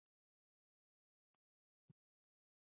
د خوب د ګډوډۍ لپاره د ماښام چای مه څښئ